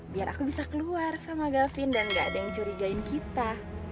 biar aku bisa keluar sama gavin dan gak ada yang curigain kita